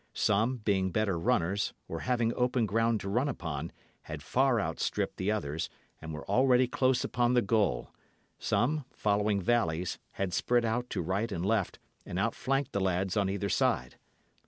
Some, being better runners, or having open ground to run upon, had far outstripped the others, and were already close upon the goal; some, following valleys, had spread out to right and left, and outflanked the lads on either side.